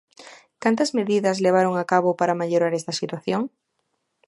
¿Cantas medidas levaron a cabo para mellora esa situación?